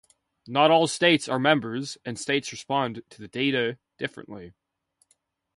Not all states are members, and states respond to the data differently.